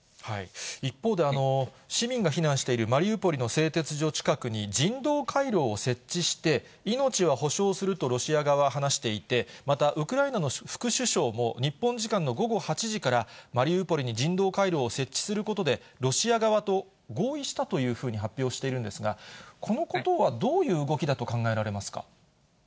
一方で、市民が避難しているマリウポリの製鉄所近くに、人道回廊を設置して、命は保証するとロシア側は話していて、また、ウクライナの副首相も、日本時間の午後８時からマリウポリに人道回廊を設置することで、ロシア側と合意したというふうに発表しているんですが、このことはどういう動きだと考えられますか。